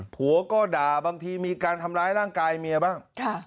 ผัวก็ด่าบางทีมีการทำร้ายร่างกายเมียบ้าง